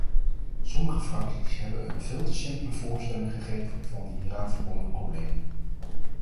Sommige fracties hebben een veel te simpele voorstelling gegeven van de hieraan verbonden problemen.